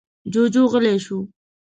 جوجو غلی شو.